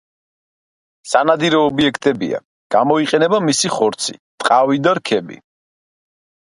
სანადირო ობიექტებია, გამოიყენება მისი ხორცი, ტყავი და რქები.